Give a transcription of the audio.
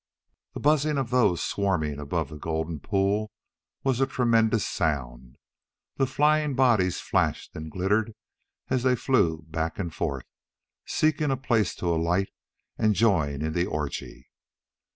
The buzzing of those swarming above the golden pool was a tremendous sound. The flying bodies flashed and glittered as they flew back and forth, seeking a place to alight and join in the orgy.